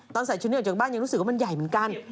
ใส่ชุดนี้ออกจากบ้านยังรู้สึกว่ามันใหญ่เหมือนกัน